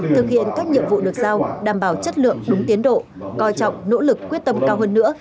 thực hiện các nhiệm vụ được giao đảm bảo chất lượng đúng tiến độ coi trọng nỗ lực quyết tâm cao hơn nữa